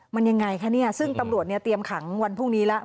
มันยังไงคะเนี่ยซึ่งตำรวจเนี่ยเตรียมขังวันพรุ่งนี้แล้ว